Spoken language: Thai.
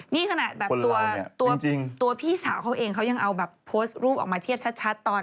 นี่ขนาดแบบตัวพี่สาวเขาเองเขายังเอาแบบโพสต์รูปออกมาเทียบชัดตอน